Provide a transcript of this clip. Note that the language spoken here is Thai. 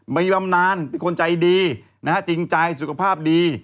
มีบำนานเป็นคนใจดีนะฮะจริงใจสุขภาพดี